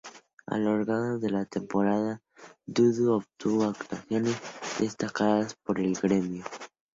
A lo largo de la temporada, Dudu obtuvo actuaciones destacadas por el Grêmio.